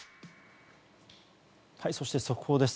そして、速報です。